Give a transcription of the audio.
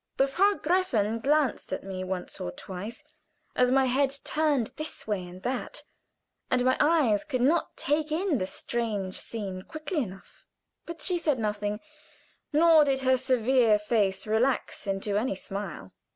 The Frau Gräfin glanced at me once or twice as my head turned this way and that, and my eyes could not take in the strange scene quickly enough; but she said nothing, nor did her severe face relax into any smile.